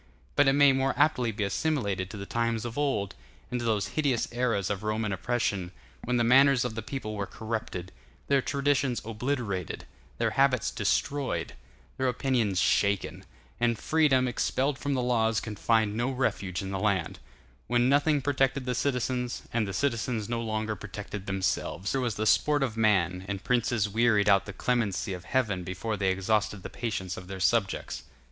But it may more aptly be assimilated to the times of old, and to those hideous eras of Roman oppression, when the manners of the people were corrupted, their traditions obliterated, their habits destroyed, their opinions shaken, and freedom, expelled from the laws, could find no refuge in the land; when nothing protected the citizens, and the citizens no longer protected themselves; when human nature was the sport of man, and princes wearied out the clemency of Heaven before they exhausted the patience of their subjects.